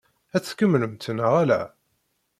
Ad tt-tkemmlemt neɣ ala?